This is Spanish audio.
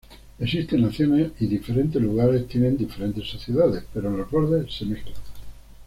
Existen naciones y diferentes lugares tienen diferentes sociedades, pero en los bordes se mezclan.